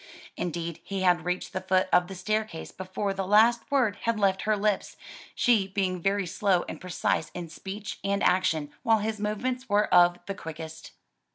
Indeed he had reached the foot of the staircase before the last word had left her lips; she being very slow and precise in speech and action, while his movements were of the quickest.